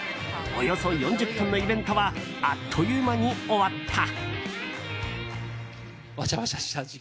およそ４０分のイベントはあっという間に終わった。